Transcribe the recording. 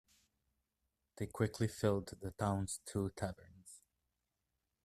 They quickly filled the town's two taverns.